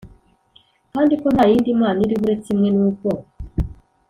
Kandi ko nta yindi mana iriho uretse imwe nubwo